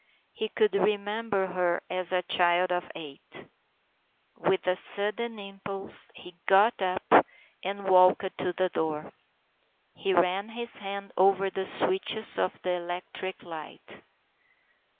He could remember her as a child of eight. With a sudden impulse he got up and 158 STORIES IN GREY walked to the door. He ran his hand over the switches of the electric light.